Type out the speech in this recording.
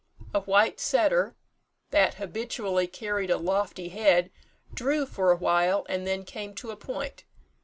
A white setter, that habitually carried a lofty head, drew for awhile, and then came to a point.